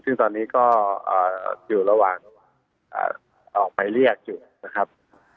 ซึ่งตอนนี้ก็อยู่ระหว่างออกหมายเรียกอยู่นะครับ